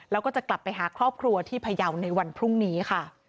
แล้วก็จะกลับไปหาครอบครัวที่พยาวในวันพรุ่งนี้ค่ะ